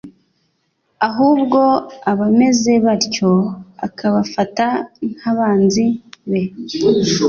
ahubwo abameze batyo akabafata nk’abanzi be